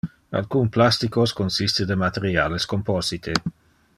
Alcun plasticos consiste de materiales composite.